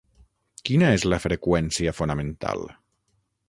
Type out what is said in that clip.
Quina és la freqüència fonamental?